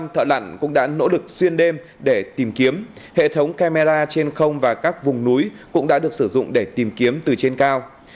thợ lặn cũng đã nỗ lực xuyên đêm để tìm kiếm hệ thống camera trên không và các vùng núi cũng đã được sử dụng để tìm kiếm từ trên cao